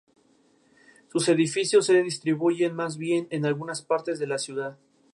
Sus edificios se distribuyen más bien en algunas partes de la ciudad.